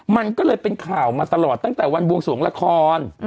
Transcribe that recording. มันก็เลยเป็นข่าวมาตลอดตั้งแต่วันบวงสวงละคร